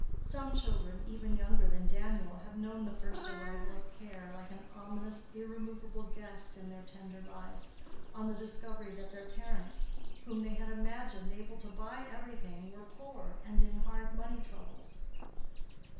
Some children, even younger than Daniel, have known the first arrival of care, like an ominous irremovable guest in their tender lives, on the discovery that their parents, whom they had imagined able to buy everything, were poor and in hard money troubles.